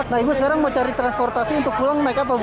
nah ibu sekarang mau cari transportasi untuk pulang naik apa bu